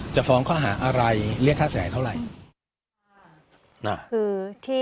จะฟ้องเค้าหาอะไรเลือกค่าแสงเท่าไร